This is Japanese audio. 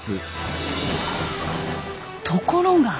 ところが。